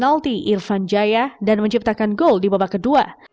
alti irfan jaya dan menciptakan gol di babak kedua